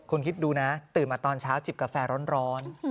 คุณคิดดูนะตื่นมาตอนเช้าจิบกาแฟร้อน